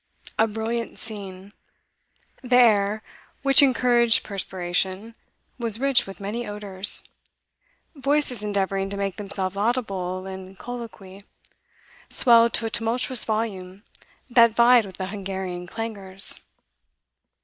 A brilliant scene. The air, which encouraged perspiration, was rich with many odours; voices endeavouring to make themselves audible in colloquy, swelled to a tumultuous volume that vied with the Hungarian clangours.